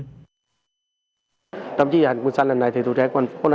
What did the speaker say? tổng chí hành quân xanh lần này tổ chức hành quân xanh lần này tổ chức hành quân xanh lần này